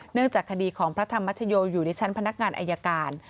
จากคดีของพระธรรมชโยอยู่ในชั้นพนักงานอายการ